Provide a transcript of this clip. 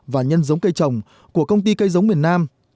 và nhân giống cây trồng của công ty cây giống miền nam